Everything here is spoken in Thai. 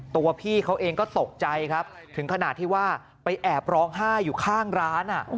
ตัวพี่เขาเองก็ตกใจครับถึงขนาดที่ว่าไปแอบร้องไห้อยู่ข้างร้าน